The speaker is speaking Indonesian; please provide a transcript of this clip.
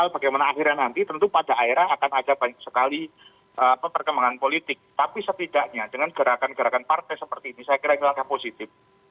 bagaimana perjuangan pdi perjuangan ini